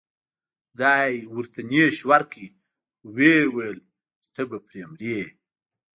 خدای ورته نیش ورکړ خو و یې ویل چې ته به پرې مرې.